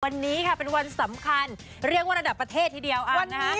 วันนี้ค่ะเป็นวันสำคัญเรื่องประเดศทีเดียวอ่ะ